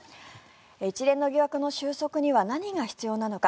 一連の疑惑の収束には何が必要なのか。